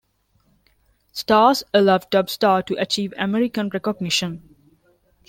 "Stars" allowed Dubstar to achieve American recognition.